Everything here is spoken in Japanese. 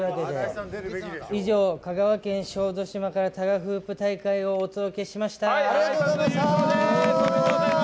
以上、香川県小豆島からタガフープ大会をお届けしました。